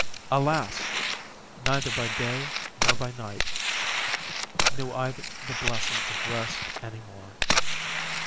Alas! neither by day nor by night knew I the blessing of rest any more!